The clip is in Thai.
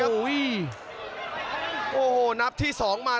สตานท์ภพล็อกนายเกียรติป้องยุทเทียร์